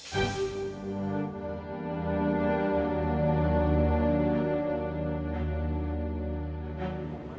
pak bawa jalan aja ya